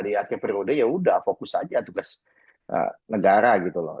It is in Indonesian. di akpr od yaudah fokus aja tugas negara gitu loh